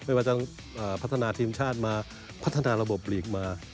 ไม่ว่าจะพัฒนาทีมชาติมาพัฒนาระบบหลีกมา